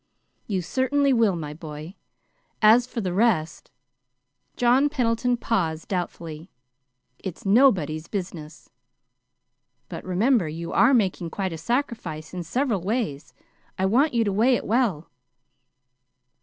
"You certainly will, my boy. As for the rest " John Pendleton paused doubtfully. "It's nobody's business." "But, remember, you are making quite a sacrifice in several ways. I want you to weigh it well."